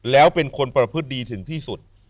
แล้วเป็นคนประพฤติดีถึงที่สุด